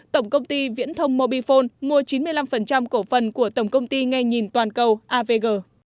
tổng công ty viễn thông mobifone mua chín mươi năm cổ phần của tổng công ty ngay nhìn toàn cầu avg